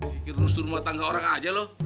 kira kira lu seturuh rumah tangga orang aja lu